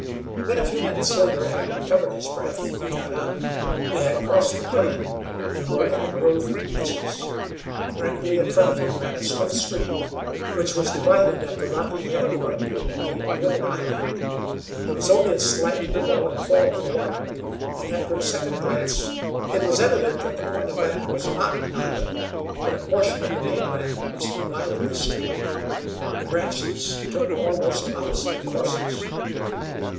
When, a few minutes later, having recovered his breath, he got up, they had crossed the plain and were in a grove of beeches. Directly in front of him ran a swift stream, which was divided at the rocky head of what appeared to be a wooded island. There was only a slight ripple and fall of the water, and, after a second glance, it was evident that the point of land was not an island, but a portion of the mainland which divided the stream. The branches took almost opposite courses.